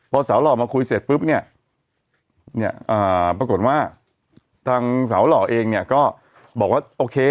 พอสาวหล่อมาคุยเสร็จปุ๊บเนี่ยปรากฏว่าทางสาวหล่อเองเนี่ยก็บอกว่าโอเค